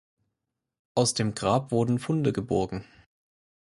Aus dem Grab wurden Funde geborgen.